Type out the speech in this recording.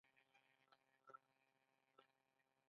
ایا نوکان مو سپین شوي دي؟